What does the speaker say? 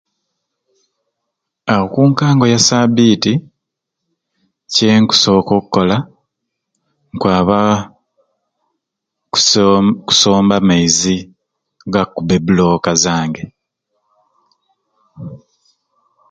Aa okunkango ya sabiiti kyenkusooka okkola nkwaba kusoo kusomba maizi gakkubba bulooka zange.